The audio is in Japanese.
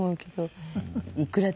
いくらでも。